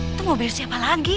itu mau beli siapa lagi